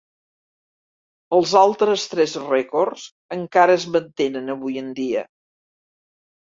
Els altres tres rècords encara es mantenen avui en dia.